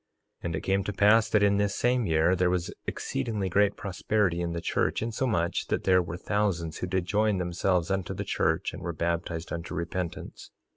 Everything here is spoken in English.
3:24 And it came to pass that in this same year there was exceedingly great prosperity in the church, insomuch that there were thousands who did join themselves unto the church and were baptized unto repentance.